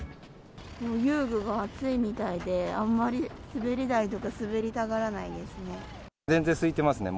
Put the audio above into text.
遊具が熱いみたいで、あんまり滑り台とか滑りたがらないですね。